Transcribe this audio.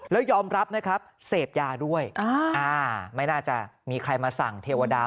แล้วยอมรับนะครับเสพยาด้วยไม่น่าจะมีใครมาสั่งเทวดา